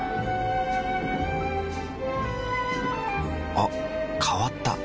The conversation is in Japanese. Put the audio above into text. あ変わった。